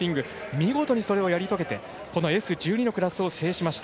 見事にやり遂げてＳ１２のクラス制しました。